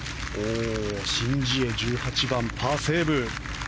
シン・ジエ１８番、パーセーブ。